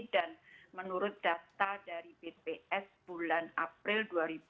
dan menurut data dari bps bulan april dua ribu dua puluh